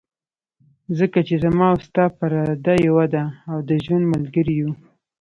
ځکه چې زما او ستا پرده یوه ده، او د ژوند ملګري یو.